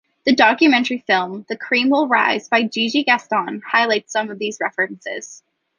The documentary film “The Cream Will Rise” by Gigi Gaston highlights some of these references.